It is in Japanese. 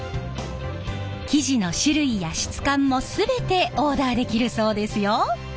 生地の種類や質感も全てオーダーできるそうですよ！